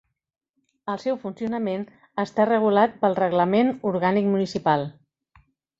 El seu funcionament està regulat pel Reglament Orgànic Municipal.